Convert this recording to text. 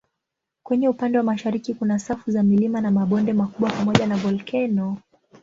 Kwenye upande wa mashariki kuna safu za milima na mabonde makubwa pamoja na volkeno.